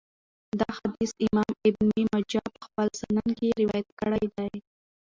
دا حديث امام ابن ماجه په خپل سنن کي روايت کړی دی .